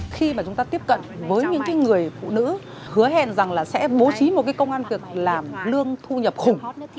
khi mà chúng ta tiếp cận với những người phụ nữ hứa hẹn rằng là sẽ bố trí một cái công an việc làm lương thu nhập khủng